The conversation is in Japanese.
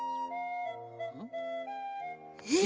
えっ！？